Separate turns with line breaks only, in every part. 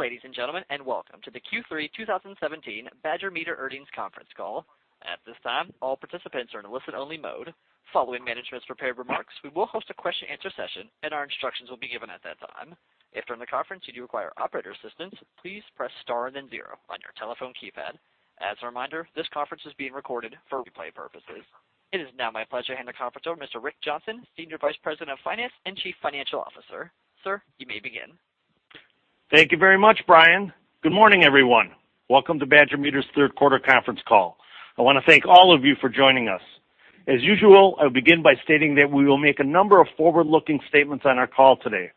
Good day, ladies and gentlemen, and welcome to the Q3 2017 Badger Meter Earnings Conference Call. At this time, all participants are in listen only mode. Following management's prepared remarks, we will host a question answer session and our instructions will be given at that time. If during the conference you do require operator assistance, please press star then zero on your telephone keypad. As a reminder, this conference is being recorded for replay purposes. It is now my pleasure to hand the conference over to Mr. Rick Johnson, Senior Vice President of Finance and Chief Financial Officer. Sir, you may begin.
Thank you very much, Brian. Good morning, everyone. Welcome to Badger Meter's third quarter conference call. I want to thank all of you for joining us. As usual, I'll begin by stating that we will make a number of forward-looking statements on our call today.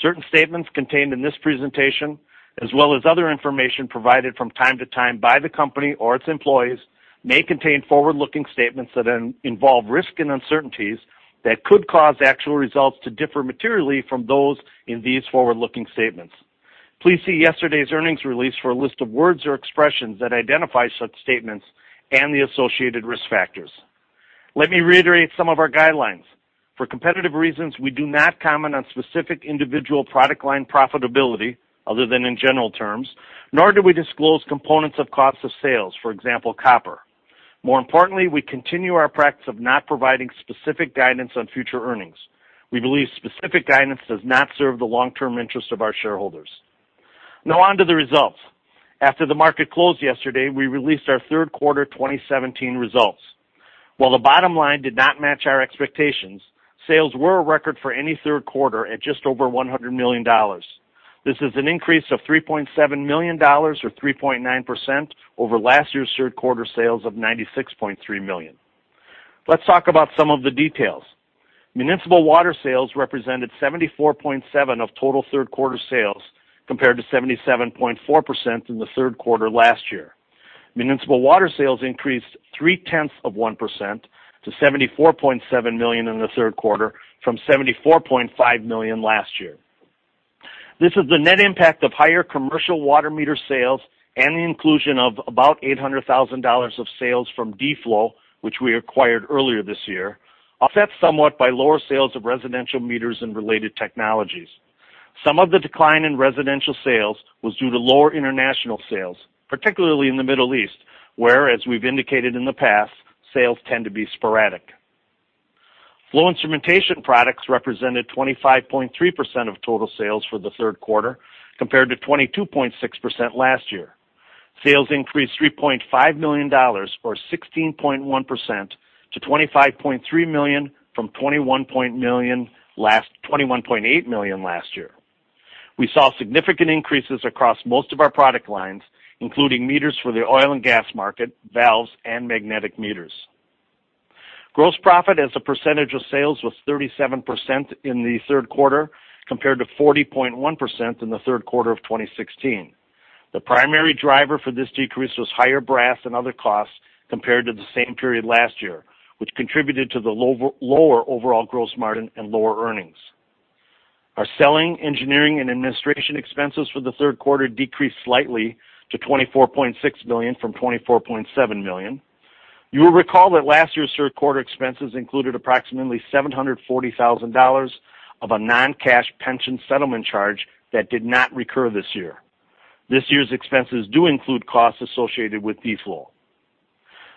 Certain statements contained in this presentation, as well as other information provided from time to time by the company or its employees, may contain forward-looking statements that involve risk and uncertainties that could cause actual results to differ materially from those in these forward-looking statements. Please see yesterday's earnings release for a list of words or expressions that identify such statements and the associated risk factors. Let me reiterate some of our guidelines. For competitive reasons, we do not comment on specific individual product line profitability, other than in general terms, nor do we disclose components of cost of sales, for example, copper. More importantly, we continue our practice of not providing specific guidance on future earnings. We believe specific guidance does not serve the long-term interest of our shareholders. Now on to the results. After the market closed yesterday, we released our third quarter 2017 results. While the bottom line did not match our expectations, sales were a record for any third quarter at just over $100 million. This is an increase of $3.7 million or 3.9% over last year's third quarter sales of $96.3 million. Let's talk about some of the details. Municipal water sales represented 74.7% of total third-quarter sales, compared to 77.4% in the third quarter last year. Municipal water sales increased three-tenths of 1% to $74.7 million in the third quarter from $74.5 million last year. This is the net impact of higher commercial water meter sales and the inclusion of about $800,000 of sales from D-Flow, which we acquired earlier this year, offset somewhat by lower sales of residential meters and related technologies. Some of the decline in residential sales was due to lower international sales, particularly in the Middle East, where, as we've indicated in the past, sales tend to be sporadic. Flow instrumentation products represented 25.3% of total sales for the third quarter, compared to 22.6% last year. Sales increased $3.5 million, or 16.1%, to $25.3 million from $21.8 million last year. We saw significant increases across most of our product lines, including meters for the oil and gas market, valves, and magnetic meters. Gross profit as a percentage of sales was 37% in the third quarter, compared to 40.1% in the third quarter of 2016. The primary driver for this decrease was higher brass and other costs compared to the same period last year, which contributed to the lower overall gross margin and lower earnings. Our selling, engineering, and administration expenses for the third quarter decreased slightly to $24.6 million from $24.7 million. You will recall that last year's third-quarter expenses included approximately $740,000 of a non-cash pension settlement charge that did not recur this year. This year's expenses do include costs associated with D-Flow.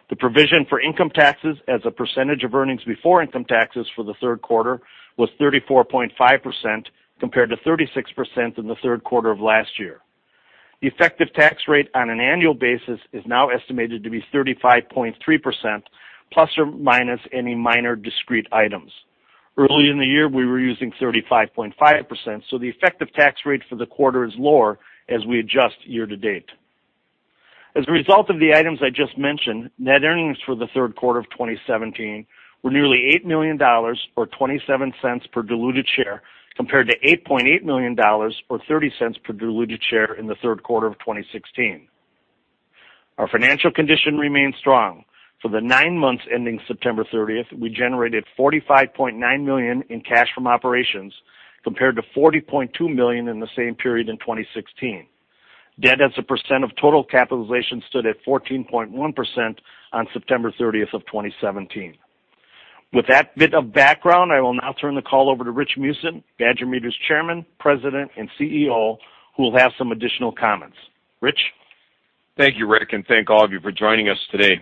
The provision for income taxes as a percentage of earnings before income taxes for the third quarter was 34.5%, compared to 36% in the third quarter of last year. The effective tax rate on an annual basis is now estimated to be 35.3% ± any minor discrete items. Early in the year, we were using 35.5%, so the effective tax rate for the quarter is lower as we adjust year-to-date. As a result of the items I just mentioned, net earnings for the third quarter of 2017 were nearly $8 million, or $0.27 per diluted share, compared to $8.8 million or $0.30 per diluted share in the third quarter of 2016. Our financial condition remains strong. For the nine months ending September 30th, we generated $45.9 million in cash from operations, compared to $40.2 million in the same period in 2016. Debt as a percent of total capitalization stood at 14.1% on September 30th of 2017. With that bit of background, I will now turn the call over to Rich Meeusen, Badger Meter's Chairman, President, and CEO, who will have some additional comments. Rich?
Thank you, Rick, and thank all of you for joining us today.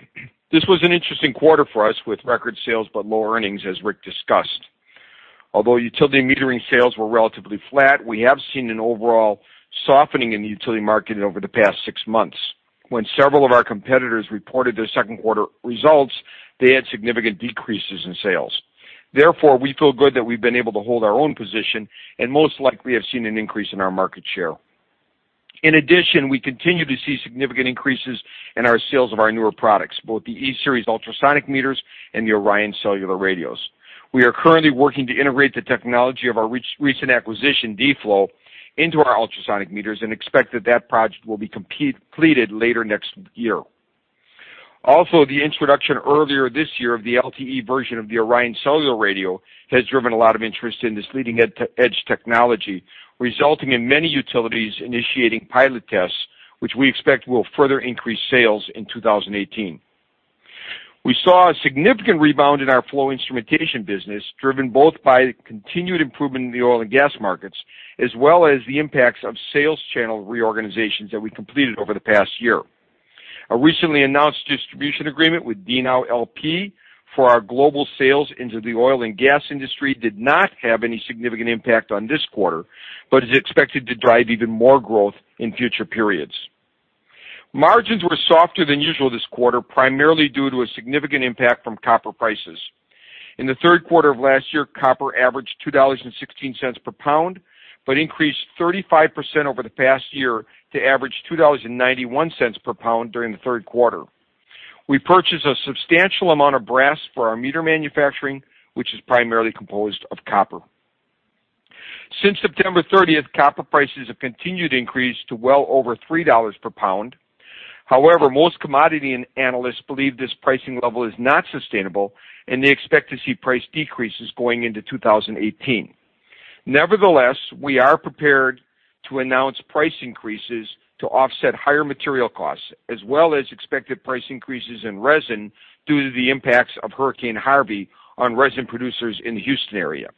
This was an interesting quarter for us with record sales but lower earnings, as Rick discussed. Although utility metering sales were relatively flat, we have seen an overall softening in the utility market over the past six months. When several of our competitors reported their second quarter results, they had significant decreases in sales. Therefore, we feel good that we've been able to hold our own position and most likely have seen an increase in our market share. In addition, we continue to see significant increases in our sales of our newer products, both the E-Series ultrasonic meters and the ORION Cellular radios. We are currently working to integrate the technology of our recent acquisition, D-Flow, into our ultrasonic meters and expect that that project will be completed later next year. The introduction earlier this year of the LTE version of the ORION Cellular radio has driven a lot of interest in this leading-edge technology, resulting in many utilities initiating pilot tests, which we expect will further increase sales in 2018. We saw a significant rebound in our flow instrumentation business, driven both by the continued improvement in the oil and gas markets, as well as the impacts of sales channel reorganizations that we completed over the past year. A recently announced distribution agreement with DNOW L.P. for our global sales into the oil and gas industry did not have any significant impact on this quarter, but is expected to drive even more growth in future periods. Margins were softer than usual this quarter, primarily due to a significant impact from copper prices. In the third quarter of last year, copper averaged $2.16 per pound, increased 35% over the past year to average $2.91 per pound during the third quarter. We purchased a substantial amount of brass for our meter manufacturing, which is primarily composed of copper. Since September 30th, copper prices have continued to increase to well over $3 per pound. Most commodity analysts believe this pricing level is not sustainable, and they expect to see price decreases going into 2018. We are prepared to announce price increases to offset higher material costs, as well as expected price increases in resin due to the impacts of Hurricane Harvey on resin producers in the Houston area.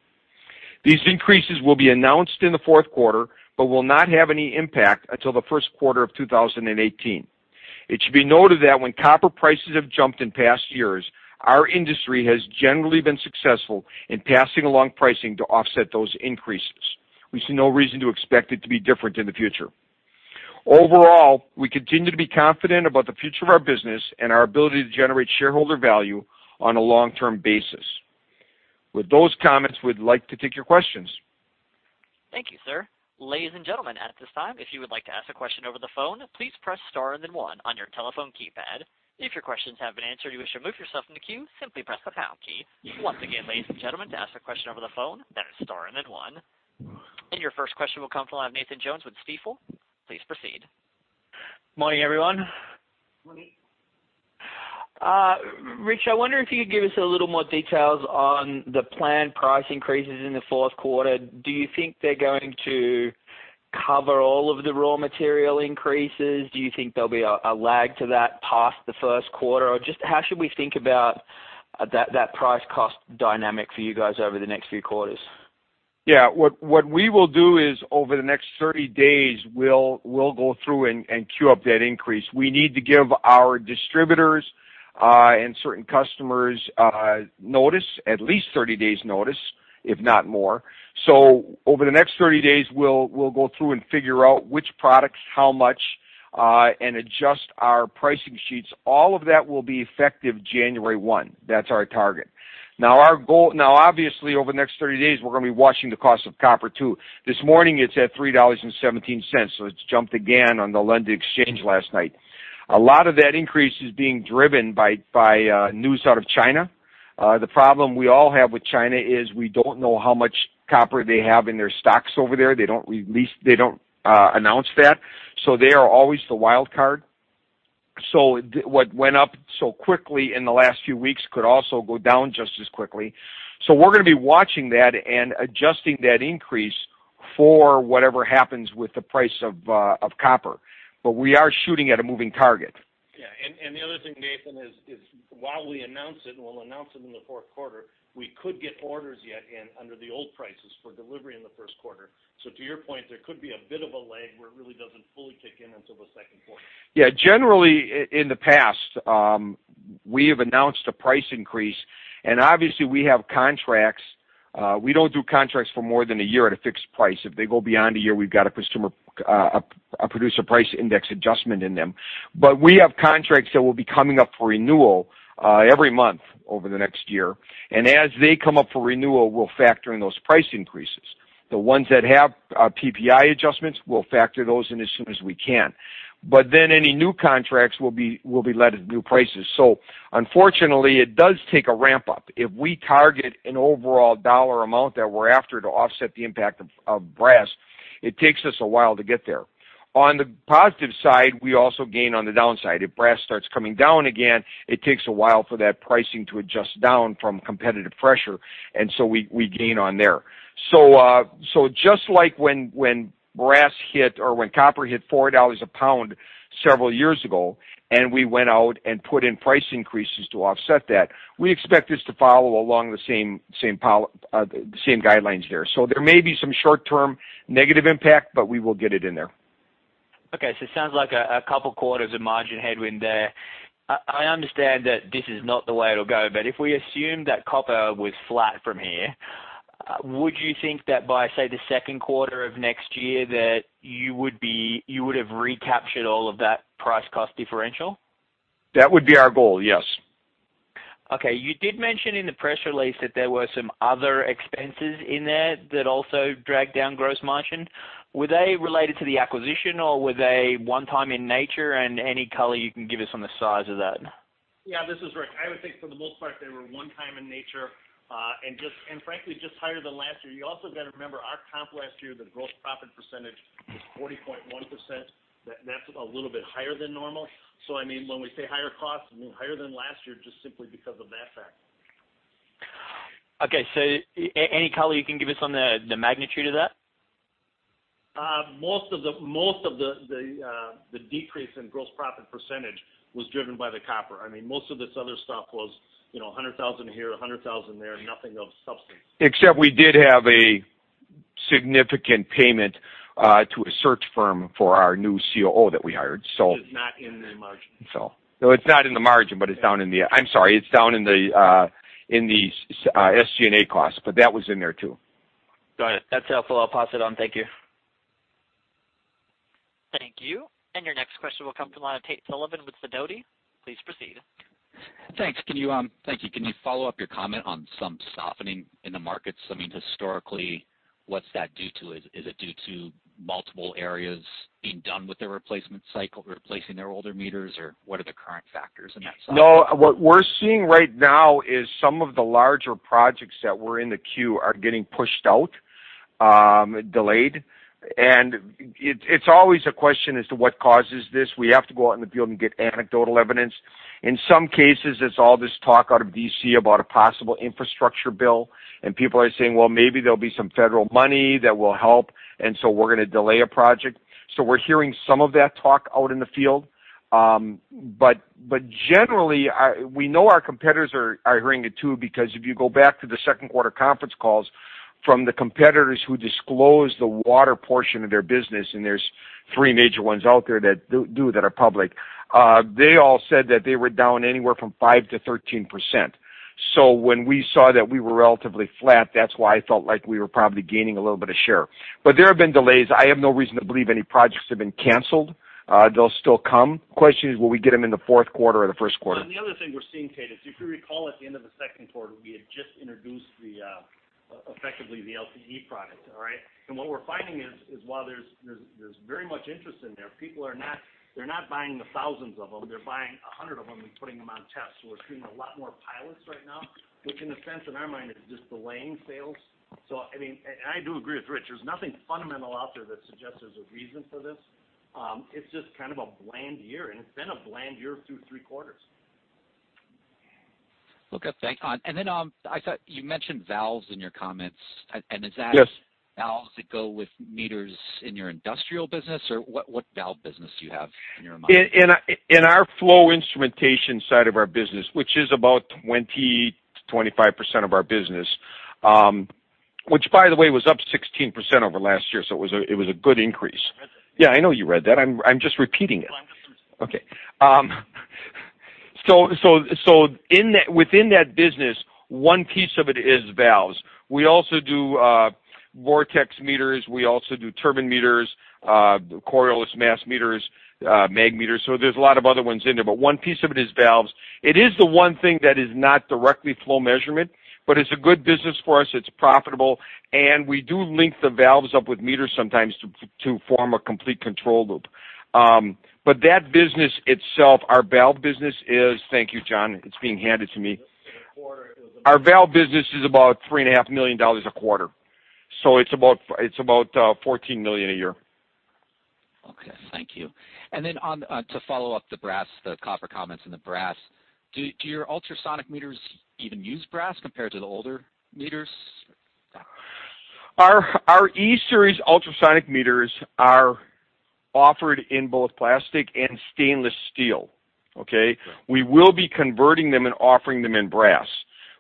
These increases will be announced in the fourth quarter, but will not have any impact until the first quarter of 2018. It should be noted that when copper prices have jumped in past years, our industry has generally been successful in passing along pricing to offset those increases. We see no reason to expect it to be different in the future. Overall, we continue to be confident about the future of our business and our ability to generate shareholder value on a long-term basis. With those comments, we'd like to take your questions.
Thank you, sir. Ladies and gentlemen, at this time, if you would like to ask a question over the phone, please press star and then one on your telephone keypad. If your questions have been answered or you wish to remove yourself from the queue, simply press the pound key. Once again, ladies and gentlemen, to ask a question over the phone, that is star and then one. Your first question will come from Nathan Jones with Stifel. Please proceed.
Morning, everyone.
Morning.
Rich, I wonder if you could give us a little more details on the planned price increases in the fourth quarter. Do you think they are going to cover all of the raw material increases? Do you think there will be a lag to that past the first quarter? Or just how should we think about that price cost dynamic for you guys over the next few quarters?
Yeah. What we will do is over the next 30 days, we will go through and queue up that increase. We need to give our distributors, and certain customers notice, at least 30 days notice, if not more. Over the next 30 days, we will go through and figure out which products, how much, and adjust our pricing sheets. All of that will be effective January 1. That is our target. Now, obviously, over the next 30 days, we are going to be watching the cost of copper, too. This morning it is at $3.17, it has jumped again on the London Exchange last night. A lot of that increase is being driven by news out of China. The problem we all have with China is we do not know how much copper they have in their stocks over there. They do not announce that. They are always the wild card. What went up so quickly in the last few weeks could also go down just as quickly. We are going to be watching that and adjusting that increase for whatever happens with the price of copper. We are shooting at a moving target.
Yeah. The other thing, Nathan, is while we announce it, and we will announce it in the fourth quarter, we could get orders yet in under the old prices for delivery in the first quarter. To your point, there could be a bit of a lag where it really does not fully kick in until the second quarter.
Generally, in the past, we have announced a price increase, and obviously we have contracts. We don't do contracts for more than a year at a fixed price. If they go beyond a year, we've got a Producer Price Index adjustment in them. We have contracts that will be coming up for renewal every month over the next year. As they come up for renewal, we'll factor in those price increases. The ones that have PPI adjustments, we'll factor those in as soon as we can. Any new contracts will be let at new prices. Unfortunately, it does take a ramp-up. If we target an overall dollar amount that we're after to offset the impact of brass, it takes us a while to get there. On the positive side, we also gain on the downside. If brass starts coming down again, it takes a while for that pricing to adjust down from competitive pressure, and so we gain on there. Just like when brass hit or when copper hit $4 a pound several years ago, and we went out and put in price increases to offset that, we expect this to follow along the same guidelines there. There may be some short-term negative impact, but we will get it in there.
Okay, it sounds like a couple quarters of margin headwind there. I understand that this is not the way it'll go, but if we assume that copper was flat from here, would you think that by, say, the second quarter of next year, that you would have recaptured all of that price cost differential?
That would be our goal, yes.
Okay. You did mention in the press release that there were some other expenses in there that also dragged down gross margin. Were they related to the acquisition or were they one time in nature? Any color you can give us on the size of that?
Yeah, this is Rick. I would think for the most part, they were one time in nature, and frankly, just higher than last year. You also got to remember our comp last year, the gross profit percentage was 40.1%. That's a little bit higher than normal. I mean, when we say higher costs, we mean higher than last year, just simply because of that factor.
Okay. Any color you can give us on the magnitude of that?
Most of the decrease in gross profit percentage was driven by the copper. Most of this other stuff was $100,000 here, $100,000 there, nothing of substance.
Except we did have a significant payment to a search firm for our new COO that we hired.
It's not in the margin.
No, it's not in the margin, but it's down in the SG&A cost. That was in there, too.
Got it. That's helpful. I'll pass it on. Thank you.
Thank you. Your next question will come from the line of Tate Sullivan with Sidoti. Please proceed.
Thanks. Can you follow up your comment on some softening in the markets? Historically, what's that due to? Is it due to multiple areas being done with their replacement cycle, replacing their older meters? What are the current factors in that softness?
What we're seeing right now is some of the larger projects that were in the queue are getting pushed out, delayed. It's always a question as to what causes this. We have to go out in the field and get anecdotal evidence. In some cases, it's all this talk out of D.C. about a possible infrastructure bill. People are saying, "Well, maybe there'll be some federal money that will help. We're going to delay a project." We're hearing some of that talk out in the field. Generally, we know our competitors are hearing it, too, because if you go back to the second quarter conference calls from the competitors who disclose the water portion of their business, there's three major ones out there that do that are public, they all said that they were down anywhere from 5%-13%. When we saw that we were relatively flat, that's why I felt like we were probably gaining a little bit of share. There have been delays. I have no reason to believe any projects have been canceled. They'll still come. Question is, will we get them in the fourth quarter or the first quarter?
The other thing we're seeing, Tate, is if you recall at the end of the second quarter, we had just introduced effectively the LTE product. All right? What we're finding is, while there's very much interest in there, people are not buying thousands of them. They're buying 100 of them and putting them on tests. We're seeing a lot more pilots right now, which in a sense, in our mind, is just delaying sales. I do agree with Rich, there's nothing fundamental out there that suggests there's a reason for this. It's just kind of a bland year, and it's been a bland year through three quarters.
Okay, thanks. I thought you mentioned valves in your comments.
Yes.
Is that valves that go with meters in your industrial business, or what valve business do you have in your mind?
In our flow instrumentation side of our business, which is about 20%-25% of our business. Which by the way, was up 16% over last year, so it was a good increase.
I read that.
Yeah, I know you read that. I'm just repeating it.
No, I'm just-
Okay. Within that business, one piece of it is valves. We also do vortex meters. We also do turbine meters, Coriolis mass meters, mag meters. There's a lot of other ones in there, but one piece of it is valves. It is the one thing that is not directly flow measurement, but it's a good business for us. It's profitable, and we do link the valves up with meters sometimes to form a complete control loop. That business itself, our valve business is Thank you, John. It's being handed to me.
This quarter it was.
Our valve business is about $3.5 million a quarter. It's about $14 million a year.
Okay. Thank you. To follow up the copper comments and the brass, do your ultrasonic meters even use brass compared to the older meters?
Our E-Series ultrasonic meters are offered in both plastic and stainless steel. Okay?
Sure.
We will be converting them and offering them in brass.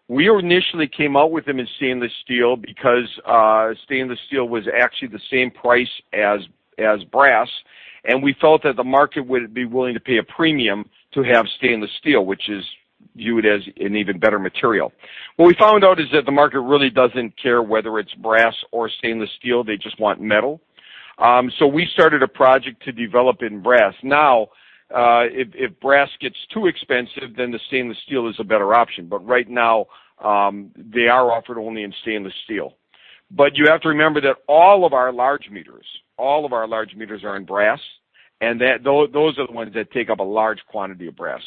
We initially came out with them in stainless steel because stainless steel was actually the same price as brass, and we felt that the market would be willing to pay a premium to have stainless steel, which is viewed as an even better material. What we found out is that the market really doesn't care whether it's brass or stainless steel, they just want metal. We started a project to develop in brass. If brass gets too expensive, then the stainless steel is a better option. Right now, they are offered only in stainless steel. You have to remember that all of our large meters are in brass, and those are the ones that take up a large quantity of brass.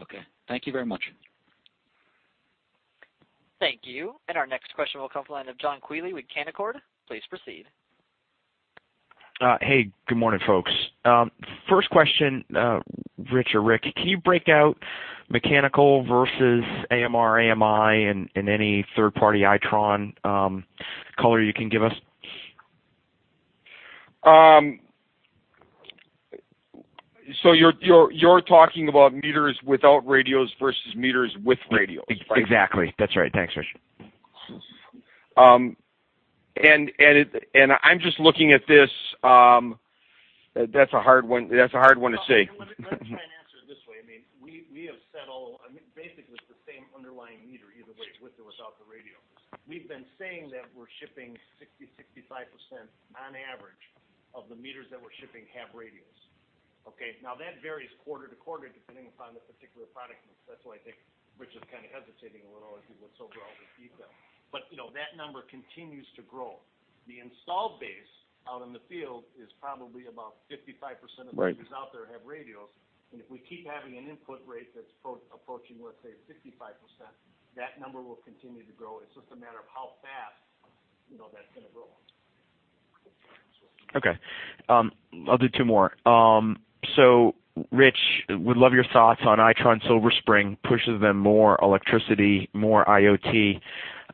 Okay. Thank you very much.
Thank you. Our next question will come from the line of John Quigley with Canaccord. Please proceed.
Hey, good morning, folks. First question, Rich or Rick, can you break out mechanical versus AMR, AMI, and any third-party Itron color you can give us?
You're talking about meters without radios versus meters with radios, right?
Exactly. That's right. Thanks, Rich.
I'm just looking at this. That's a hard one to say.
Let me try and answer it this way. We have said all, basically, it's the same underlying meter either way, with or without the radio. We've been saying that we're shipping 60%-65% on average of the meters that we're shipping have radios. Okay? That varies quarter to quarter, depending upon the particular product mix. That's why I think Rich is kind of hesitating a little as to what's overall the detail. That number continues to grow. The install base out in the field is probably about 55% of-
Right
The meters out there have radios. If we keep having an input rate that's approaching, let's say 65%, that number will continue to grow. It's just a matter of how fast that's going to grow.
Okay. I'll do two more. Rich, would love your thoughts on Itron Silver Spring, pushes them more electricity, more IoT.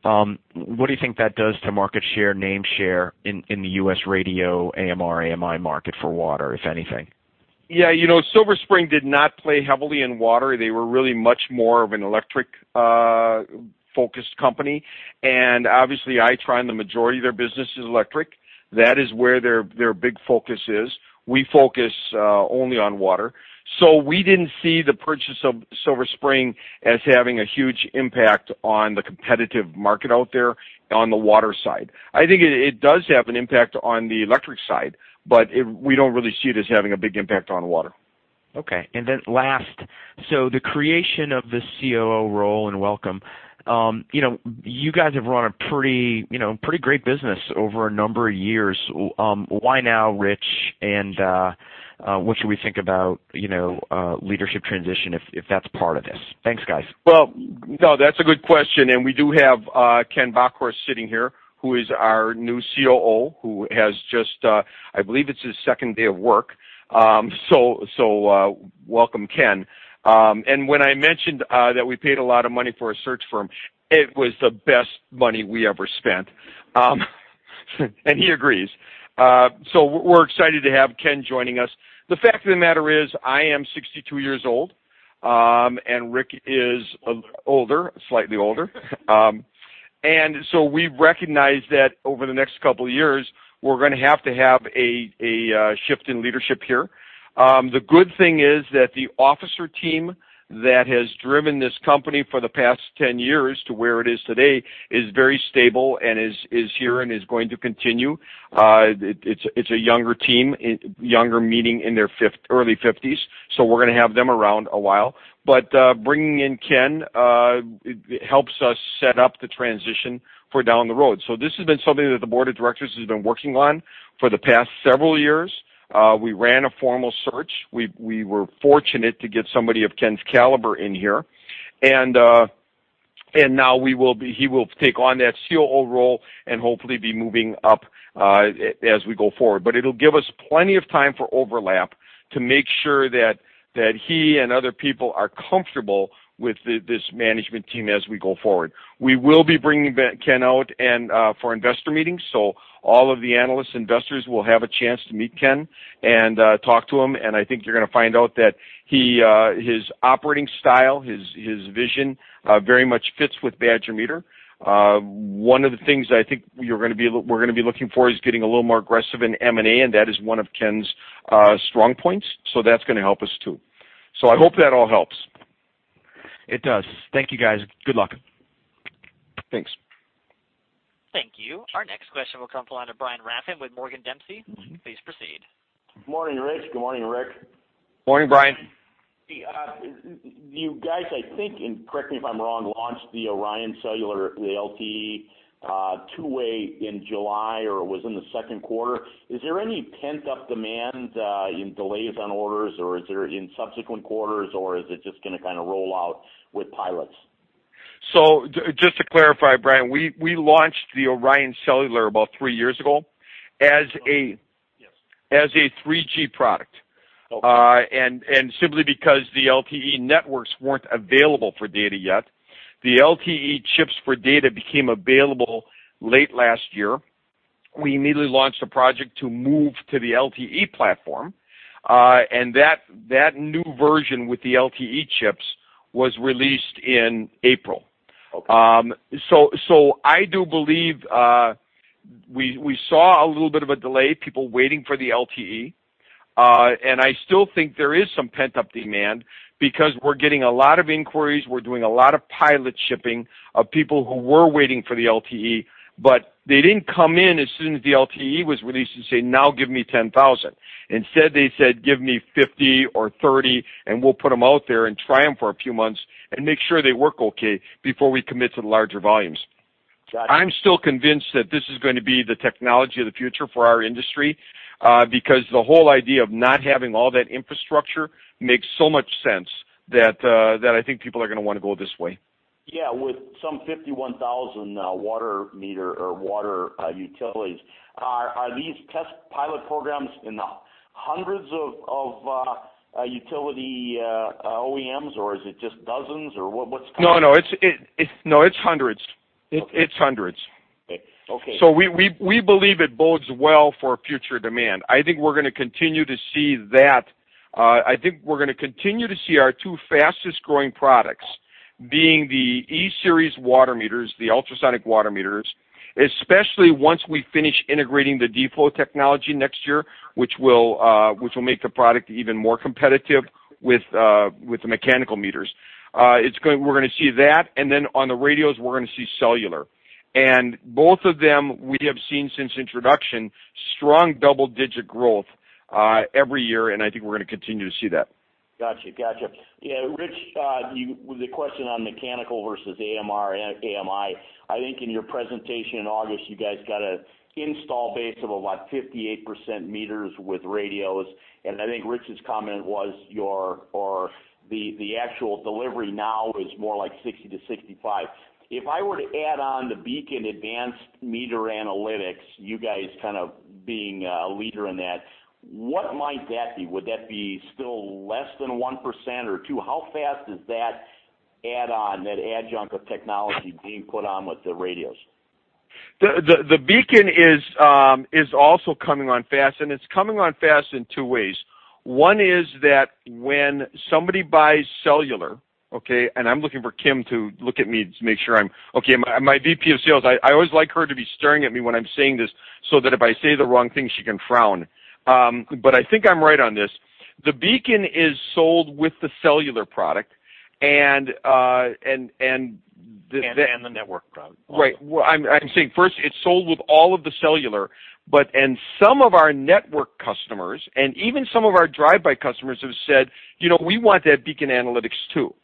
What do you think that does to market share, name share in the U.S. radio AMR/AMI market for water, if anything?
Yeah. Silver Spring did not play heavily in water. They were really much more of an electric-focused company. Obviously Itron, the majority of their business is electric. That is where their big focus is. We focus only on water. We didn't see the purchase of Silver Spring as having a huge impact on the competitive market out there on the water side. I think it does have an impact on the electric side, we don't really see it as having a big impact on water.
Okay. Then last, the creation of the COO role and welcome. You guys have run a pretty great business over a number of years. Why now, Rich? What should we think about leadership transition if that's part of this? Thanks, guys.
Well, no, that's a good question. We do have Kenneth Bockhorst sitting here, who is our new COO, who has just, I believe it's his second day of work. Welcome, Ken. When I mentioned that we paid a lot of money for a search firm, it was the best money we ever spent. He agrees. We're excited to have Ken joining us. The fact of the matter is, I am 62 years old, and Rick is older, slightly older. We've recognized that over the next couple of years, we're going to have to have a shift in leadership here. The good thing is that the officer team that has driven this company for the past 10 years to where it is today is very stable and is here and is going to continue. It's a younger team, younger meaning in their early 50s, we're going to have them around a while. Bringing in Ken, it helps us set up the transition for down the road. This has been something that the board of directors has been working on for the past several years. We ran a formal search. We were fortunate to get somebody of Ken's caliber in here. Now he will take on that COO role and hopefully be moving up as we go forward. But it'll give us plenty of time for overlap to make sure that he and other people are comfortable with this management team as we go forward. We will be bringing Ken out for investor meetings, all of the analysts, investors will have a chance to meet Ken and talk to him. I think you're going to find out that his operating style, his vision, very much fits with Badger Meter. One of the things I think we're going to be looking for is getting a little more aggressive in M&A, that is one of Ken's strong points, that's going to help us, too. I hope that all helps.
It does. Thank you, guys. Good luck.
Thanks.
Thank you. Our next question will come from the line of Brian Raffin with Morgan Dempsey. Please proceed.
Morning, Rich. Good morning, Rick.
Morning, Brian.
You guys, I think, and correct me if I'm wrong, launched the ORION Cellular, the LTE, two-way in July, or it was in the second quarter. Is there any pent-up demand in delays on orders, or is there in subsequent quarters, or is it just going to kind of roll out with pilots?
just to clarify, Brian, we launched the ORION Cellular about three years ago as a 3G product.
Okay.
simply because the LTE networks weren't available for data yet. The LTE chips for data became available late last year. We immediately launched a project to move to the LTE platform. That new version with the LTE chips was released in April.
Okay.
I do believe we saw a little bit of a delay, people waiting for the LTE. I still think there is some pent-up demand because we're getting a lot of inquiries. We're doing a lot of pilot shipping of people who were waiting for the LTE, but they didn't come in as soon as the LTE was released and say, "Now give me 10,000." Instead, they said, "Give me 50 or 30, and we'll put them out there and try them for a few months and make sure they work okay before we commit to the larger volumes.
Got it.
I'm still convinced that this is going to be the technology of the future for our industry, because the whole idea of not having all that infrastructure makes so much sense that I think people are going to want to go this way.
Yeah, with some 51,000 water meter or water utilities. Are these test pilot programs in the hundreds of utility OEMs, or is it just dozens?
No, it's hundreds.
Okay.
It's hundreds.
Okay.
We believe it bodes well for future demand. I think we're going to continue to see that. I think we're going to continue to see our two fastest-growing products being the E-Series water meters, the ultrasonic water meters, especially once we finish integrating the D-Flow technology next year, which will make the product even more competitive with the mechanical meters. We're going to see that, and then on the radios, we're going to see cellular. Both of them, we have seen since introduction, strong double-digit growth every year, and I think we're going to continue to see that.
Got you. Yeah, Rich, with the question on mechanical versus AMR and AMI, I think in your presentation in August, you guys got an install base of about 58% meters with radios, and I think Rich's comment was the actual delivery now is more like 60%-65%. If I were to add on the BEACON Advanced Metering Analytics, you guys kind of being a leader in that. What might that be? Would that be still less than 1% or 2%? How fast is that add-on, that adjunct of technology being put on with the radios?
The BEACON is also coming on fast, and it's coming on fast in two ways. One is that when somebody buys cellular, okay, I'm looking for Kim to look at me to make sure I'm okay. My VP of Sales, I always like her to be staring at me when I'm saying this, so that if I say the wrong thing, she can frown. I think I'm right on this. The BEACON is sold with the cellular product and-
The network product.
Right. I'm saying first it's sold with all of the cellular, and some of our network customers, and even some of our drive-by customers, have said, "We want that BEACON analytics too."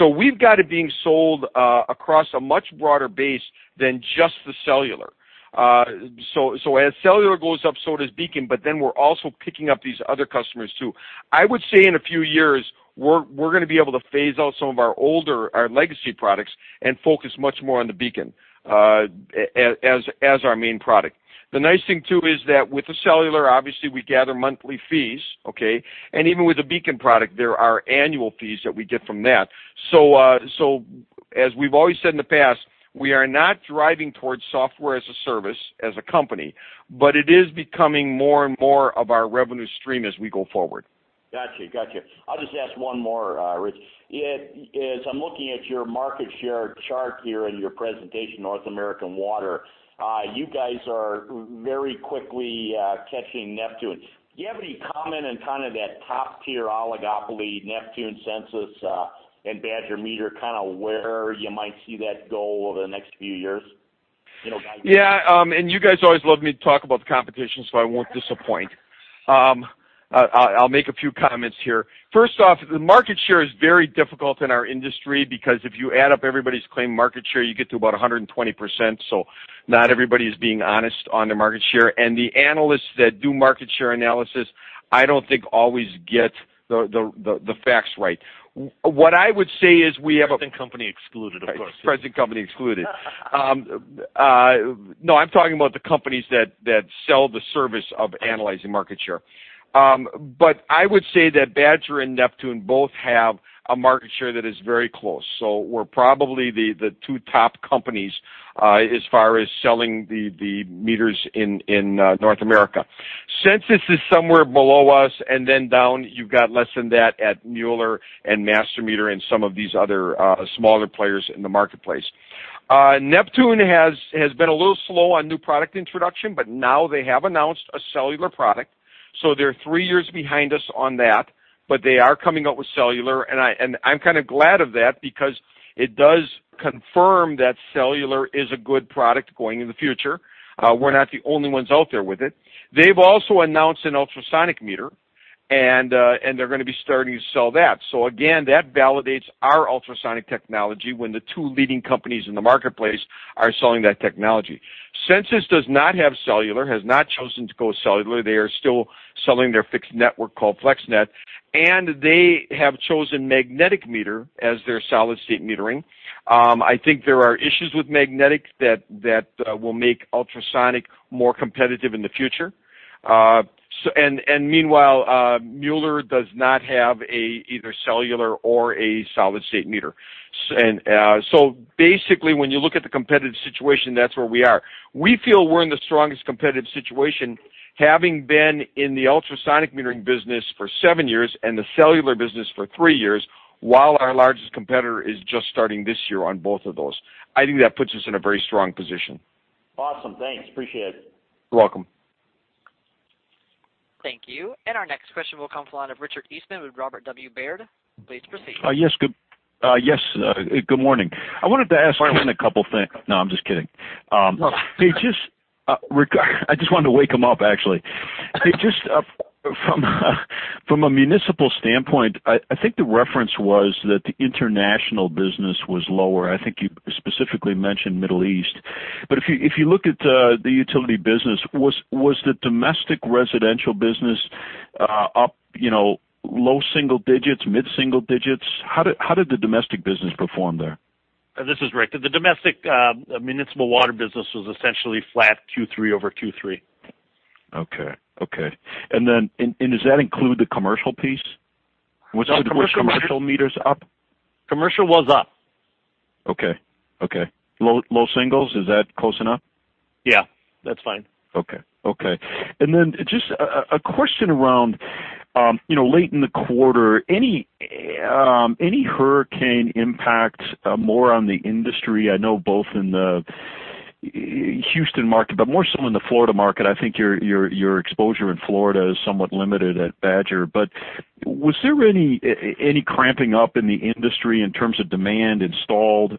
We've got it being sold across a much broader base than just the cellular. As cellular goes up, so does BEACON. We're also picking up these other customers too. I would say in a few years, we're going to be able to phase out some of our older, our legacy products, and focus much more on the BEACON as our main product. The nice thing too is that with the cellular, obviously we gather monthly fees. Okay. Even with the BEACON product, there are annual fees that we get from that. As we've always said in the past, we are not driving towards Software as a Service as a company. It is becoming more and more of our revenue stream as we go forward.
Got you. I'll just ask one more, Rich. As I'm looking at your market share chart here in your presentation, North American Water, you guys are very quickly catching Neptune. Do you have any comment on that top-tier oligopoly, Neptune, Sensus, and Badger Meter, kind of where you might see that go over the next few years?
You guys always love me to talk about the competition. I won't disappoint. I'll make a few comments here. First off, the market share is very difficult in our industry because if you add up everybody's claimed market share, you get to about 120%. Not everybody is being honest on their market share. The analysts that do market share analysis, I don't think always get the facts right. What I would say is we have a-
Present company excluded, of course.
Present company excluded. I'm talking about the companies that sell the service of analyzing market share. I would say that Badger and Neptune both have a market share that is very close. We're probably the two top companies, as far as selling the meters in North America. Sensus is somewhere below us, and then down, you've got less than that at Mueller and Master Meter and some of these other smaller players in the marketplace. Neptune has been a little slow on new product introduction, but now they have announced a cellular product. They're three years behind us on that. They are coming out with cellular, and I'm kind of glad of that because it does confirm that cellular is a good product going in the future. We're not the only ones out there with it. They've also announced an ultrasonic meter, they're going to be starting to sell that. Again, that validates our ultrasonic technology when the two leading companies in the marketplace are selling that technology. Sensus does not have cellular, has not chosen to go with cellular. They are still selling their fixed network called FlexNet, and they have chosen magnetic meter as their solid-state metering. I think there are issues with magnetic that will make ultrasonic more competitive in the future. Meanwhile, Mueller does not have either cellular or a solid-state meter. Basically, when you look at the competitive situation, that's where we are. We feel we're in the strongest competitive situation, having been in the ultrasonic metering business for seven years and the cellular business for three years, while our largest competitor is just starting this year on both of those. I think that puts us in a very strong position.
Awesome. Thanks, appreciate it.
You're welcome.
Thank you. Our next question will come from the line of Richard Eastman with Robert W. Baird. Please proceed.
Yes, good morning. I wanted to ask.
Morning
a couple things. No, I'm just kidding. Rich, I just wanted to wake him up, actually. Just from a municipal standpoint, I think the reference was that the international business was lower. I think you specifically mentioned Middle East. If you look at the utility business, was the domestic residential business up low single digits, mid-single digits? How did the domestic business perform there?
This is Rick. The domestic municipal water business was essentially flat Q3 over Q3.
Okay. Does that include the commercial piece?
No, commercial. Was commercial meters up?
Commercial was up.
Okay. Low singles, is that close enough?
Yeah. That's fine.
Okay. Just a question around late in the quarter, any hurricane impact more on the industry? I know in the Houston market, more so in the Florida market. I think your exposure in Florida is somewhat limited at Badger Meter. Was there any cramping up in the industry in terms of demand installed?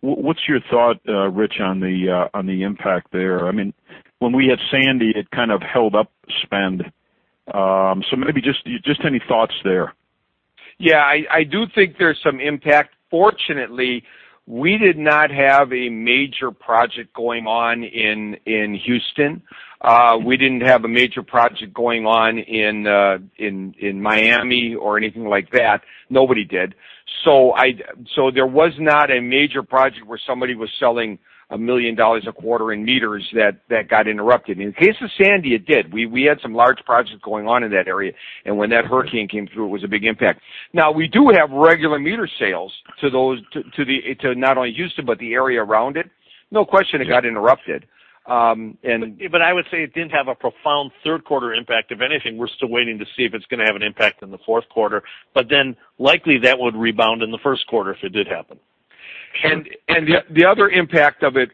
What is your thought, Rich, on the impact there? When we had Hurricane Sandy, it kind of held up spend. Maybe just any thoughts there.
I do think there is some impact. Fortunately, we did not have a major project going on in Houston. We did not have a major project going on in Miami or anything like that. Nobody did. There was not a major project where somebody was selling $1 million a quarter in meters that got interrupted. In the case of Hurricane Sandy, it did. We had some large projects going on in that area, when that hurricane came through, it was a big impact. We do have regular meter sales to not only Houston, but the area around it. No question it got interrupted.
I would say it did not have a profound third quarter impact. If anything, we are still waiting to see if it is going to have an impact in the fourth quarter, likely that would rebound in the first quarter if it did happen.
Sure. The other impact of it,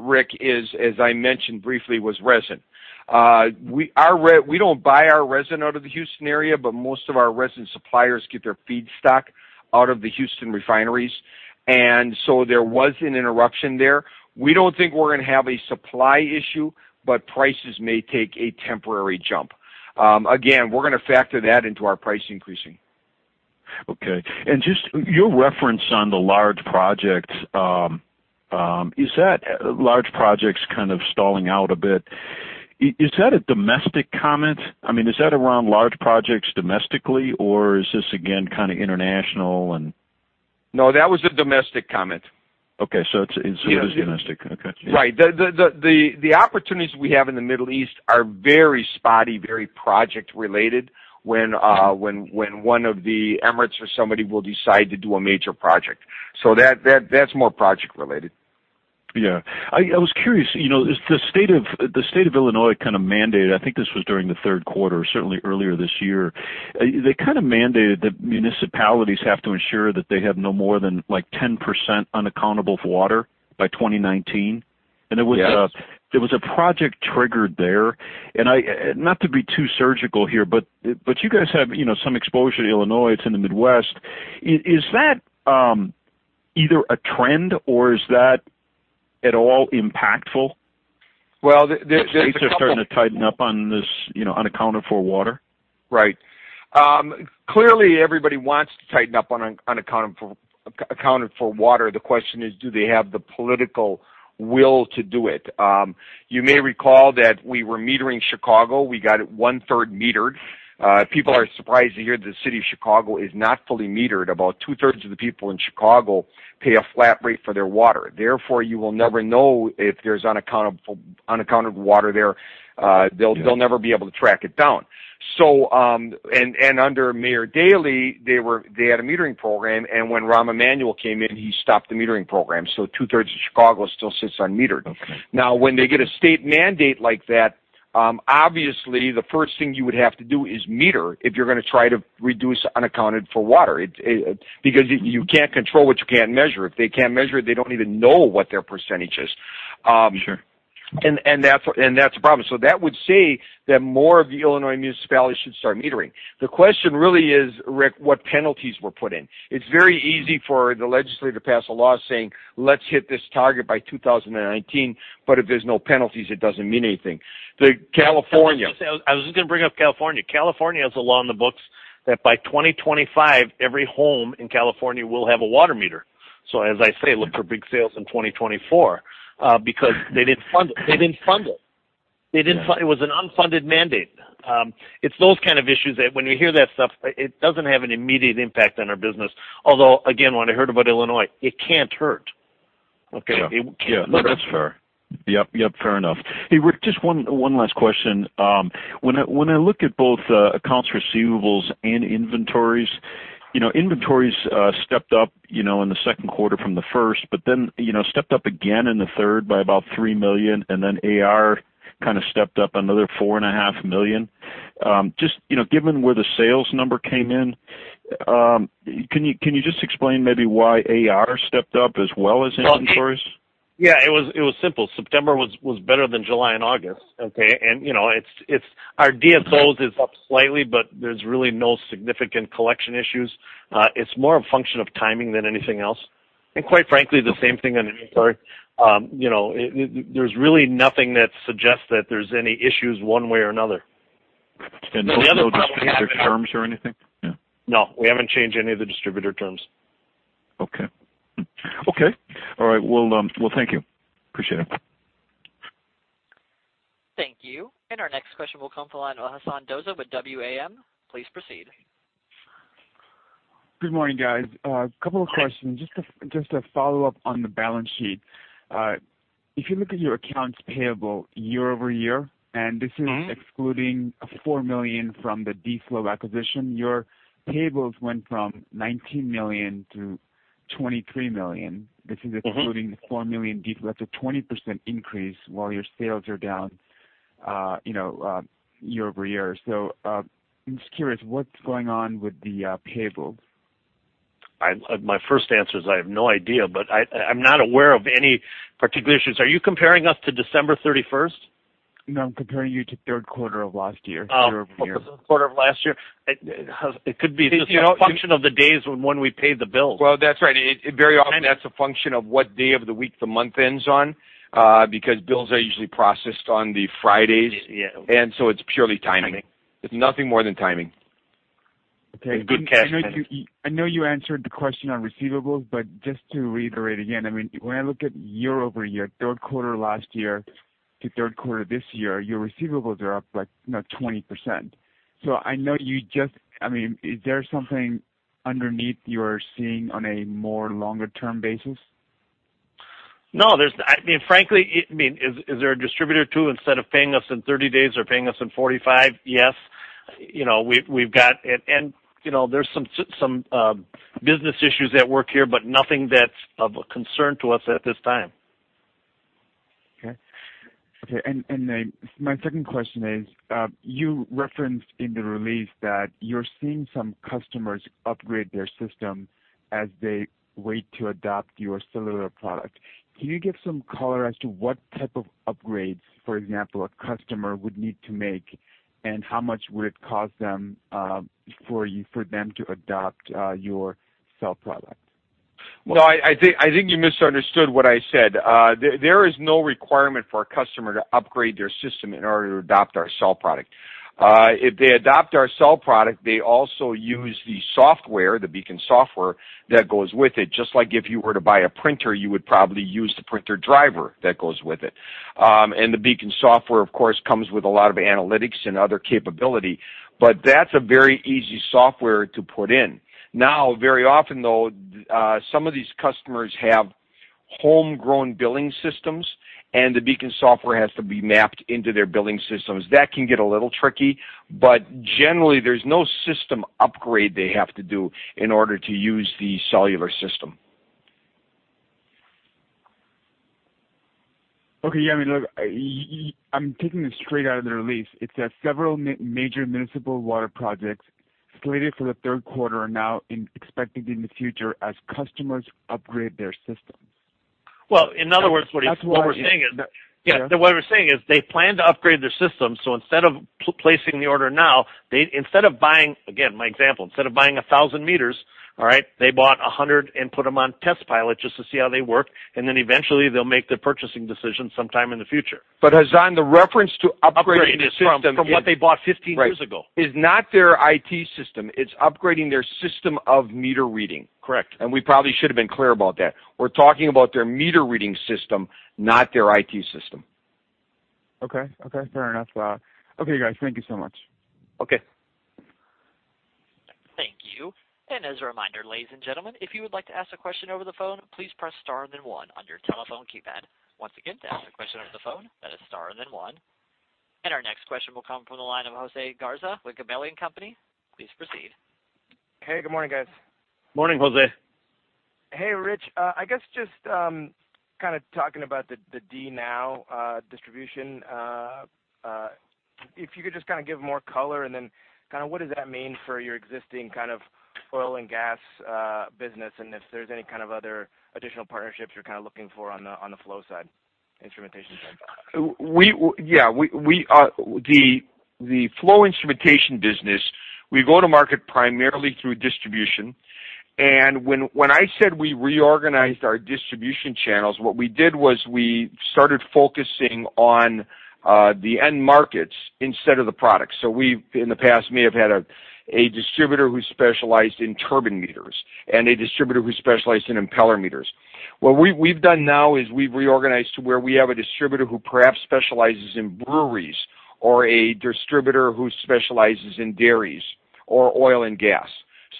Rick, is, as I mentioned briefly, was resin. We do not buy our resin out of the Houston area, most of our resin suppliers get their feedstock out of the Houston refineries, there was an interruption there. We do not think we are going to have a supply issue, prices may take a temporary jump. We are going to factor that into our price increasing.
Just your reference on the large projects, is that large projects kind of stalling out a bit? Is that a domestic comment? Is that around large projects domestically, or is this, again, kind of international?
No, that was a domestic comment.
Okay, it is domestic. Okay.
Right. The opportunities we have in the Middle East are very spotty, very project-related, when one of the Emirates or somebody will decide to do a major project. That's more project-related.
Yeah. I was curious. The state of Illinois kind of mandated, I think this was during the third quarter, certainly earlier this year. They kind of mandated that municipalities have to ensure that they have no more than 10% unaccounted water by 2019.
Yes.
There was a project triggered there. Not to be too surgical here, but you guys have some exposure to Illinois. It's in the Midwest. Is that either a trend or is that at all impactful?
Well, there's a couple-
The states are starting to tighten up on this unaccounted for water.
Right. Clearly, everybody wants to tighten up on unaccounted for water. The question is, do they have the political will to do it? You may recall that we were metering Chicago. We got it one-third metered. People are surprised to hear the City of Chicago is not fully metered. About two-thirds of the people in Chicago pay a flat rate for their water. Therefore, you will never know if there's unaccounted water there.
Yeah.
They'll never be able to track it down. Under Mayor Daley, they had a metering program, and when Rahm Emanuel came in, he stopped the metering program, so two-thirds of Chicago still sits unmetered.
Okay.
Now, when they get a state mandate like that, obviously the first thing you would have to do is meter, if you're going to try to reduce unaccounted for water. You can't control what you can't measure. If they can't measure it, they don't even know what their percentage is.
Sure.
That's a problem. That would say that more of the Illinois municipalities should start metering. The question really is, Rick, what penalties were put in? It's very easy for the legislature to pass a law saying, "Let's hit this target by 2019," but if there's no penalties, it doesn't mean anything. The California-
I was just going to bring up California. California has a law on the books that by 2025, every home in California will have a water meter. As I say, look for big sales in 2024, because they didn't fund it. It was an unfunded mandate. It's those kind of issues that when you hear that stuff, it doesn't have an immediate impact on our business. Although, again, when I heard about Illinois, it can't hurt.
Sure.
Okay?
Yeah. No, that's fair. Yep. Fair enough. Hey, Rick, just one last question. When I look at both accounts receivables and inventories stepped up in the second quarter from the first, stepped up again in the third by about $3 million, AR kind of stepped up another $4.5 million. Just given where the sales number came in, can you just explain maybe why AR stepped up as well as inventories?
Yeah, it was simple. September was better than July and August. Okay? Our DSOs is up slightly, but there's really no significant collection issues. It's more a function of timing than anything else. Quite frankly, the same thing on inventory. There's really nothing that suggests that there's any issues one way or another. The other problem we have.
No change in terms or anything? Yeah.
No, we haven't changed any of the distributor terms.
Okay. All right. Thank you. Appreciate it.
Thank you. Our next question will come from the line of Hassan Dozo with WAM. Please proceed.
Good morning, guys. A couple of questions. Just a follow-up on the balance sheet. If you look at your accounts payable year-over-year, this is excluding a $4 million from the D-Flow acquisition, your payables went from $19 million to $23 million. This is excluding the $4 million D-Flow. That's a 20% increase while your sales are down year-over-year. I'm just curious, what's going on with the payable?
My first answer is I have no idea, but I'm not aware of any particular issues. Are you comparing us to December 31st?
No, I'm comparing you to third quarter of last year-over-year.
Oh. Third quarter of last year. It could be just a function of the days when we paid the bills.
Well, that's right. Very often, that's a function of what day of the week the month ends on, because bills are usually processed on the Fridays.
Yeah.
It's purely timing. It's nothing more than timing.
It's good cash timing.
I know you answered the question on receivables, but just to reiterate again, when I look at year-over-year, third quarter last year to third quarter this year, your receivables are up like 20%. Is there something underneath you're seeing on a more longer-term basis?
No. Frankly, is there a distributor, too, instead of paying us in 30 days, they're paying us in 45? Yes. We've got it, and there's some business issues at work here, but nothing that's of concern to us at this time.
Okay. My second question is, you referenced in the release that you're seeing some customers upgrade their system as they wait to adopt your cellular product. Can you give some color as to what type of upgrades, for example, a customer would need to make, and how much would it cost them for them to adopt your cellular product?
No, I think you misunderstood what I said. There is no requirement for a customer to upgrade their system in order to adopt our cellular product. If they adopt our cellular product, they also use the software, the BEACON software, that goes with it, just like if you were to buy a printer, you would probably use the printer driver that goes with it. The BEACON software, of course, comes with a lot of analytics and other capability, but that's a very easy software to put in. Very often, though, some of these customers have homegrown billing systems, and the BEACON software has to be mapped into their billing systems. That can get a little tricky, but generally, there's no system upgrade they have to do in order to use the cellular system.
Okay. Look, I'm taking this straight out of the release. It says several major municipal water projects slated for the third quarter are now expected in the future as customers upgrade their systems.
In other words, what we're saying is they plan to upgrade their system, instead of placing the order now, they, instead of buying, again, my example, instead of buying 1,000 meters, they bought 100 and put them on test pilot just to see how they work, and then eventually they'll make the purchasing decision sometime in the future. Hassan, the reference to upgrading the system- Upgrading the system from what they bought 15 years ago is not their IT system. It's upgrading their system of meter reading. Correct. We probably should've been clear about that. We're talking about their meter reading system, not their IT system.
Okay. Fair enough. Okay, guys. Thank you so much.
Okay.
Thank you. As a reminder, ladies and gentlemen, if you would like to ask a question over the phone, please press star and then one on your telephone keypad. Once again, to ask a question over the phone, that is star and then one. Our next question will come from the line of Jose Garza with Gabelli & Company. Please proceed.
Hey, good morning, guys.
Morning, Jose.
Hey, Rich. I guess just talking about the DNOW distribution, if you could just give more color. What does that mean for your existing oil and gas business and if there's any other additional partnerships you're looking for on the flow side, instrumentation side.
Yeah. The flow instrumentation business, we go to market primarily through distribution. When I said we reorganized our distribution channels, what we did was we started focusing on the end markets instead of the product. We've, in the past, may have had a distributor who specialized in turbine meters and a distributor who specialized in impeller meters. What we've done now is we've reorganized to where we have a distributor who perhaps specializes in breweries or a distributor who specializes in dairies or oil and gas.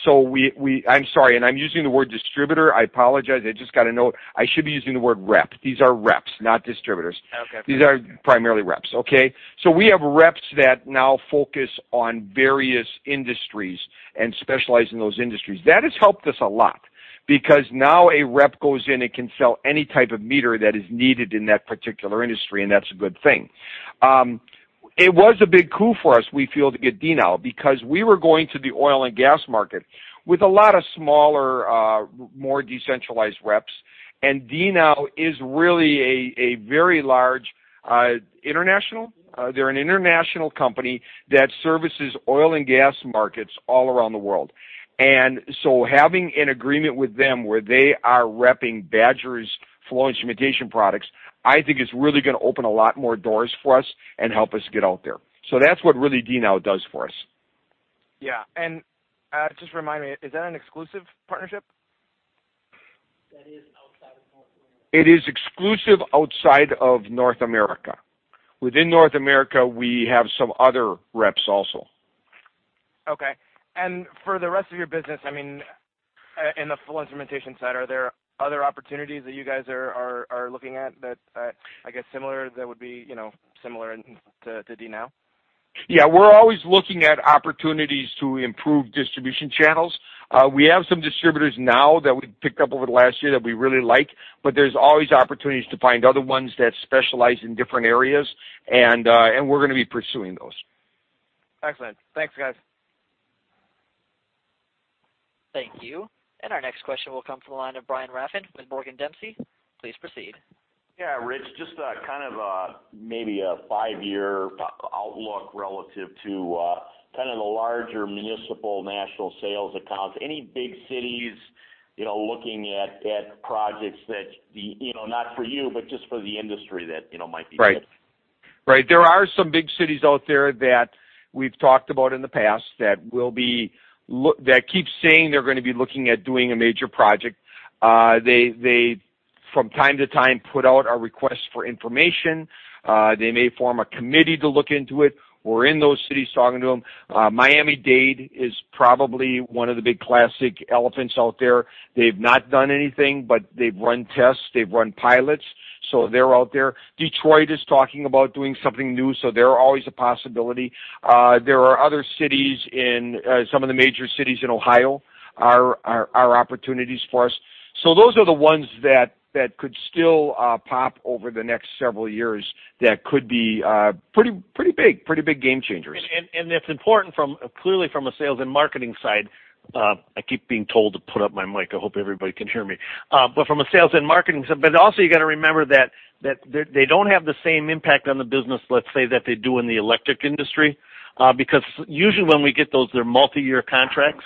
I'm sorry, I'm using the word distributor, I apologize. I just got a note. I should be using the word rep. These are reps, not distributors.
Okay.
These are primarily reps, okay? We have reps that now focus on various industries and specialize in those industries. That has helped us a lot because now a rep goes in and can sell any type of meter that is needed in that particular industry. That's a good thing. It was a big coup for us, we feel, to get DNOW, because we were going to the oil and gas market with a lot of smaller, more decentralized reps. DNOW is really a very large international. They're an international company that services oil and gas markets all around the world. Having an agreement with them where they are repping Badger's flow instrumentation products, I think is really going to open a lot more doors for us and help us get out there. That's what really DNOW does for us.
Yeah. Just remind me, is that an exclusive partnership?
That is outside of North America. It is exclusive outside of North America. Within North America, we have some other reps also.
Okay. For the rest of your business, in the flow instrumentation side, are there other opportunities that you guys are looking at that are similar to DNOW?
Yeah, we're always looking at opportunities to improve distribution channels. We have some distributors now that we've picked up over the last year that we really like, but there's always opportunities to find other ones that specialize in different areas, and we're going to be pursuing those.
Excellent. Thanks, guys.
Thank you. Our next question will come from the line of Brian Raffin with Morgan Dempsey. Please proceed.
Yeah, Rich, just maybe a five-year outlook relative to the larger municipal national sales accounts. Any big cities looking at projects that, not for you, but just for the industry that might be-
Right. There are some big cities out there that we've talked about in the past that keep saying they're going to be looking at doing a major project. They, from time to time, put out a request for information. They may form a committee to look into it. We're in those cities talking to them. Miami-Dade is probably one of the big classic elephants out there. They've not done anything, but they've run tests, they've run pilots. They're out there. Detroit is talking about doing something new, they're always a possibility. There are other cities in some of the major cities in Ohio are opportunities for us. Those are the ones that could still pop over the next several years that could be pretty big game changers.
It's important clearly from a sales and marketing side. I keep being told to put up my mic. I hope everybody can hear me. From a sales and marketing side, but also you got to remember that they don't have the same impact on the business, let's say, that they do in the electric industry. Usually when we get those, they're multi-year contracts,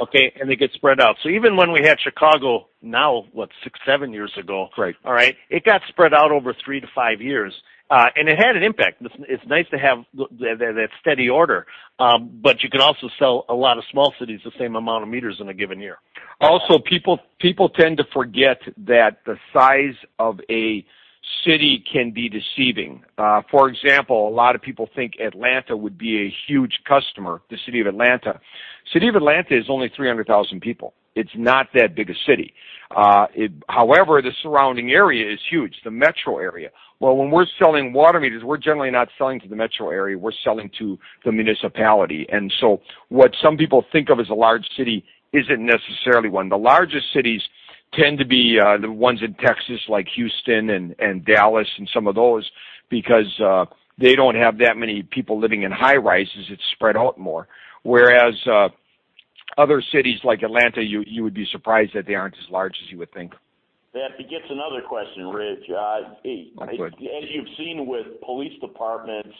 okay, and they get spread out. Even when we had Chicago now, what, six, seven years ago-
Right
It got spread out over three to five years. It had an impact. It is nice to have that steady order. You can also sell a lot of small cities the same amount of meters in a given year.
Also, people tend to forget that the size of a city can be deceiving. For example, a lot of people think Atlanta would be a huge customer, the city of Atlanta. City of Atlanta is only 300,000 people. It is not that big a city. However, the surrounding area is huge, the metro area. Well, when we are selling water meters, we are generally not selling to the metro area. We are selling to the municipality. So what some people think of as a large city is not necessarily one. The largest cities tend to be the ones in Texas like Houston and Dallas and some of those because they do not have that many people living in high-rises. It is spread out more, whereas other cities like Atlanta, you would be surprised that they are not as large as you would think.
That begets another question, Rich.
Go ahead.
As you've seen with police departments,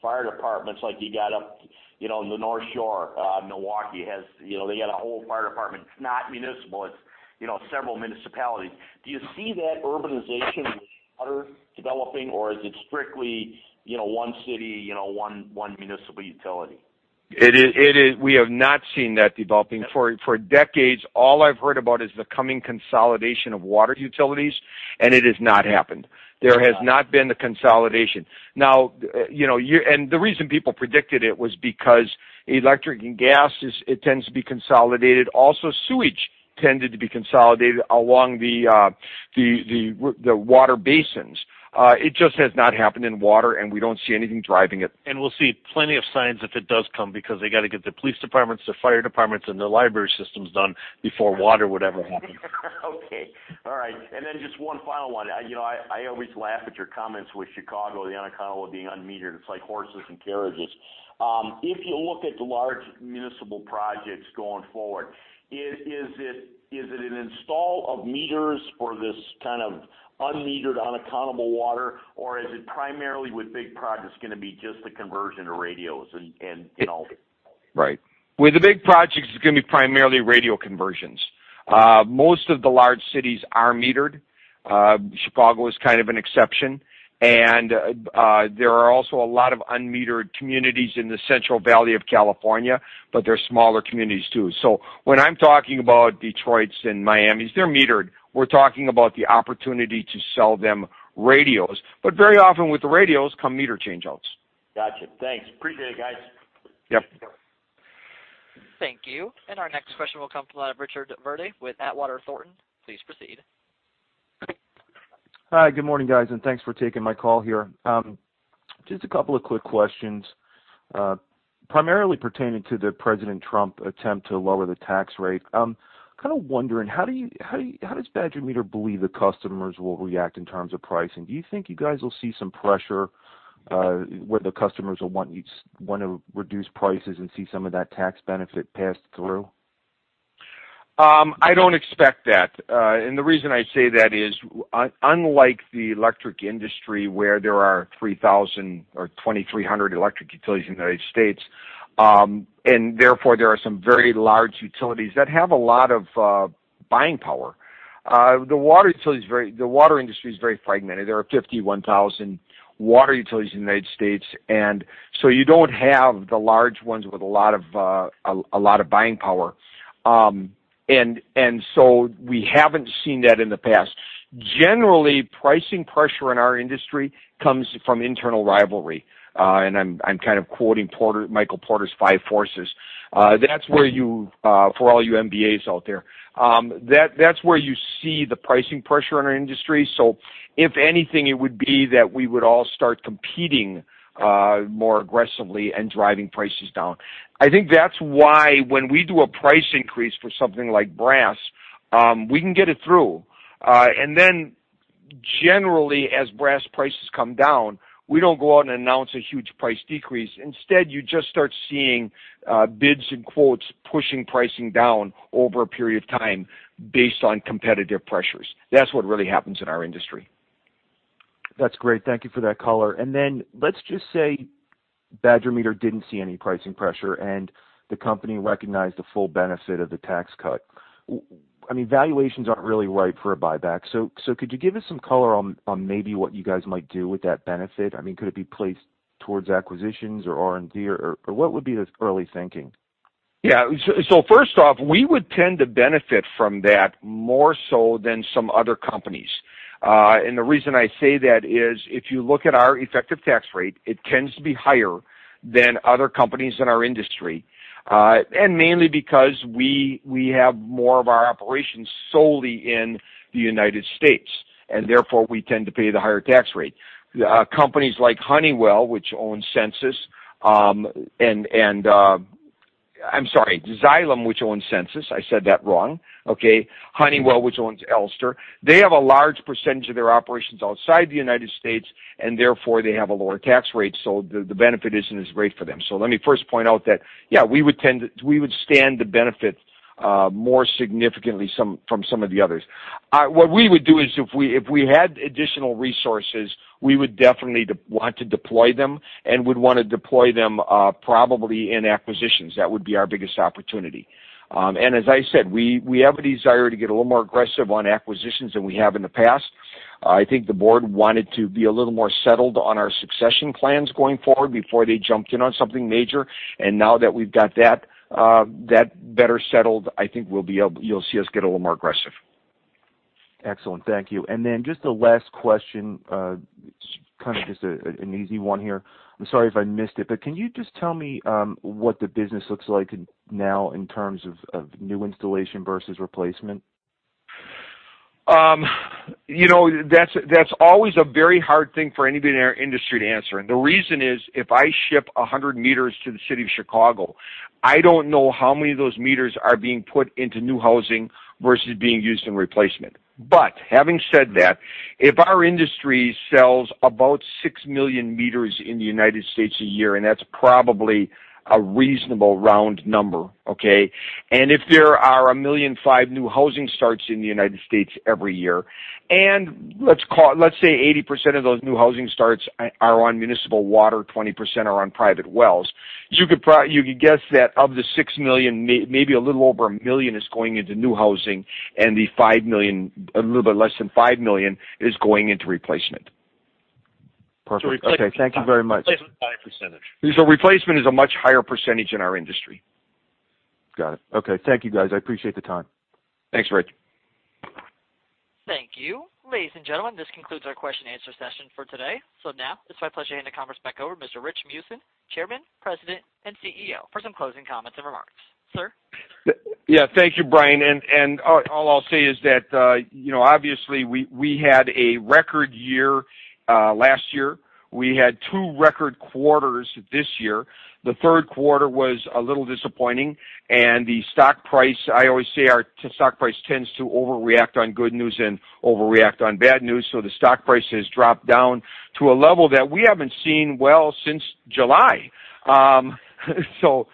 fire departments, like you got up in the North Shore, Milwaukee, they got a whole fire department, not municipal, it's several municipalities. Do you see that urbanization with water developing, or is it strictly one city, one municipal utility?
We have not seen that developing. For decades, all I've heard about is the coming consolidation of water utilities, it has not happened. There has not been the consolidation. The reason people predicted it was because electric and gas, it tends to be consolidated. Also, sewage tended to be consolidated along the water basins. It just has not happened in water, we don't see anything driving it.
We'll see plenty of signs if it does come because they got to get the police departments, the fire departments, and the library systems done before water would ever happen.
Okay. All right. Just one final one. I always laugh at your comments with Chicago, the unaccountable being unmetered. It's like horses and carriages. If you look at the large municipal projects going forward, is it an install of meters for this kind of unmetered, unaccountable water, or is it primarily with big projects going to be just the conversion to radios and all?
Right. With the big projects, it's going to be primarily radio conversions. Most of the large cities are metered. Chicago is kind of an exception. There are also a lot of unmetered communities in the Central Valley of California, but they're smaller communities, too. When I'm talking about Detroits and Miamis, they're metered. We're talking about the opportunity to sell them radios. Very often with the radios come meter change outs.
Got you. Thanks. Appreciate it, guys.
Yep.
Thank you. Our next question will come from Richard Verde with Atwater Thornton. Please proceed.
Hi, good morning, guys. Thanks for taking my call here. Just a couple of quick questions, primarily pertaining to the President Trump attempt to lower the tax rate. I'm kind of wondering, how does Badger Meter believe the customers will react in terms of pricing? Do you think you guys will see some pressure, where the customers will want to reduce prices and see some of that tax benefit passed through?
I don't expect that. The reason I say that is unlike the electric industry, where there are 3,000 or 2,300 electric utilities in the U.S., and therefore, there are some very large utilities that have a lot of buying power. The water industry is very fragmented. There are 51,000 water utilities in the U.S. You don't have the large ones with a lot of buying power. We haven't seen that in the past. Generally, pricing pressure in our industry comes from internal rivalry. I'm kind of quoting Michael Porter's Porter's Five Forces. For all you MBAs out there. That's where you see the pricing pressure in our industry. If anything, it would be that we would all start competing more aggressively and driving prices down. I think that's why when we do a price increase for something like brass, we can get it through. Generally, as brass prices come down, we don't go out and announce a huge price decrease. Instead, you just start seeing bids and quotes pushing pricing down over a period of time based on competitive pressures. That's what really happens in our industry.
That's great. Thank you for that color. Let's just say Badger Meter didn't see any pricing pressure, and the company recognized the full benefit of the tax cut. Valuations aren't really right for a buyback. Could you give us some color on maybe what you guys might do with that benefit? Could it be placed towards acquisitions or R&D, or what would be the early thinking?
First off, we would tend to benefit from that more so than some other companies. The reason I say that is if you look at our effective tax rate, it tends to be higher than other companies in our industry. Mainly because we have more of our operations solely in the U.S., and therefore we tend to pay the higher tax rate. Companies like Honeywell, which owns Sensus, I'm sorry, Xylem, which owns Sensus, I said that wrong, okay? Honeywell, which owns Elster. They have a large percentage of their operations outside the U.S., and therefore they have a lower tax rate, so the benefit isn't as great for them. Let me first point out that we would stand to benefit more significantly from some of the others. What we would do is if we had additional resources, we would definitely want to deploy them and would want to deploy them probably in acquisitions. That would be our biggest opportunity. As I said, we have a desire to get a little more aggressive on acquisitions than we have in the past. I think the board wanted to be a little more settled on our succession plans going forward before they jumped in on something major. Now that we've got that better settled, I think you'll see us get a little more aggressive.
Excellent. Thank you. Then just the last question, kind of just an easy one here. I'm sorry if I missed it, but can you just tell me what the business looks like now in terms of new installation versus replacement?
That's always a very hard thing for anybody in our industry to answer. The reason is, if I ship 100 meters to the City of Chicago, I don't know how many of those meters are being put into new housing versus being used in replacement. Having said that, if our industry sells about 6 million meters in the U.S. a year, and that's probably a reasonable round number, okay? If there are 1,000,005 new housing starts in the U.S. every year, and let's say 80% of those new housing starts are on municipal water, 20% are on private wells. You could guess that of the 6 million, maybe a little over 1 million is going into new housing, and a little bit less than 5 million is going into replacement.
Perfect. Okay. Thank you very much.
Replacement is a much higher % in our industry.
Got it. Okay. Thank you, guys. I appreciate the time.
Thanks, Rich.
Thank you. Ladies and gentlemen, this concludes our question and answer session for today. Now it's my pleasure to hand the conference back over to Mr. Rich Meeusen, Chairman, President, and CEO, for some closing comments and remarks. Sir?
Yeah. Thank you, Brian. All I'll say is that, obviously we had a record year last year. We had two record quarters this year. The third quarter was a little disappointing. The stock price, I always say our stock price tends to overreact on good news and overreact on bad news. The stock price has dropped down to a level that we haven't seen well since July. Our stock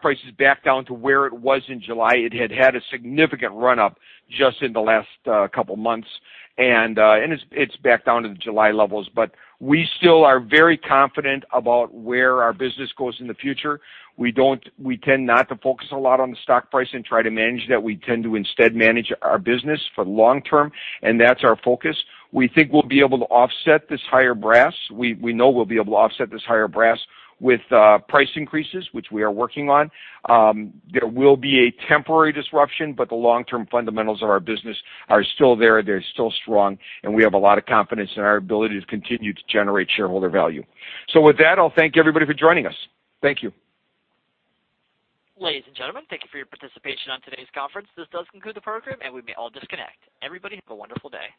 price is back down to where it was in July. It had a significant run-up just in the last couple of months, and it's back down to the July levels. We still are very confident about where our business goes in the future. We tend not to focus a lot on the stock price and try to manage that. We tend to instead manage our business for the long term, and that's our focus. We think we'll be able to offset this higher brass. We know we'll be able to offset this higher brass with price increases, which we are working on. There will be a temporary disruption. The long-term fundamentals of our business are still there. They're still strong, and we have a lot of confidence in our ability to continue to generate shareholder value. With that, I'll thank everybody for joining us. Thank you.
Ladies and gentlemen, thank you for your participation on today's conference. This does conclude the program, and we may all disconnect. Everybody, have a wonderful day.